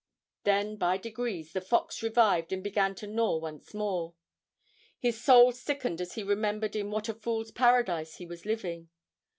Then by degrees the fox revived and began to gnaw once more. His soul sickened as he remembered in what a Fool's Paradise he was living.